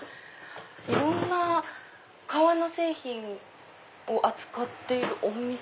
いろんな革の製品を扱っているお店？